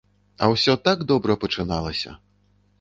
А ўсё так добра пачыналася.